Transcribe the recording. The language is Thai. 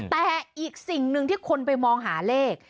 แต่อีกสิ่งหนึ่งที่คนไปมองหาเลข